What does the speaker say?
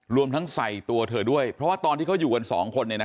รวมทั้งใส่ตัวเธอด้วยเพราะว่าตอนที่เขาอยู่กันสองคน